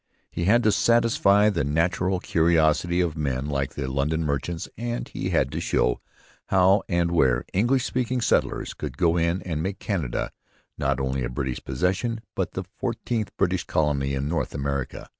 He had to satisfy the natural curiosity of men like the London merchants. And he had to show how and where English speaking settlers could go in and make Canada not only a British possession but the fourteenth British colony in North America.